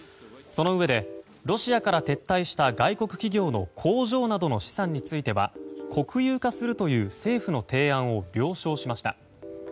そのうえでロシアから撤退した外国企業の工場などの資産については国有化するという政府の提案を了承しました。